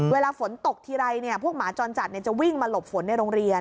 เวลาฝนตกทีไรพวกหมาจรจัดจะวิ่งมาหลบฝนในโรงเรียน